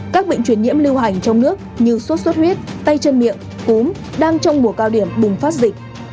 các bệnh chuyển nhiễm lưu hành trong nước như suốt suốt huyết tay chân miệng cúm đang trong mùa cao điểm bùng phát dịch